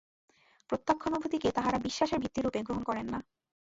প্রত্যক্ষানুভূতিকে তাঁহারা বিশ্বাসের ভিত্তিরূপে গ্রহণ করেন না।